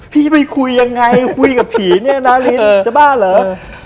พี่ไปคุยยังไงคุยกับผีเนี่ยนารินจะบ้าเหรอ